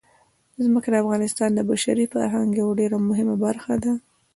ځمکه د افغانستان د بشري فرهنګ یوه ډېره مهمه برخه ده.